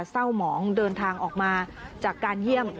เศร้าหมองเดินทางออกมาจากการเยี่ยม